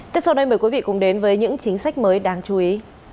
tiếp sau đây mời quý vị cùng đến với những chính sách mới đáng chú ý